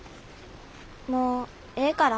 もうええから。